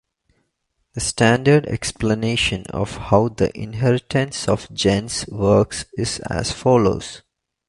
The standard explanation of how the inheritance of gens works is as follows.